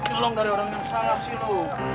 tolong dari orang sana disitu